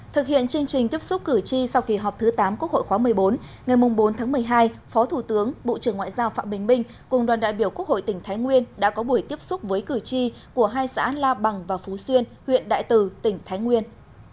thực hiện chương trình tiếp xúc cử tri sau kỳ họp thứ tám quốc hội khóa một mươi bốn ngày bốn tháng một mươi hai phó thủ tướng bộ trưởng ngoại giao phạm bình minh cùng đoàn đại biểu quốc hội tỉnh thái nguyên đã có buổi tiếp xúc với cử tri của hai xã la bằng và phú xuyên huyện đại từ tỉnh thái nguyên